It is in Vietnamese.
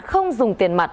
không dùng tiền mặt